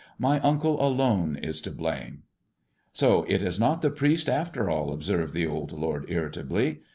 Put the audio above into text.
My uncle alone is to blame." " So it is not the priest, after all," observed the old lord irritably.